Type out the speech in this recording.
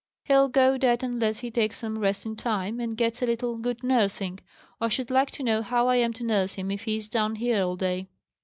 "He'll go dead, unless he takes some rest in time, and gets a little good nursing. I should like to know how I am to nurse him, if he is down here all day?"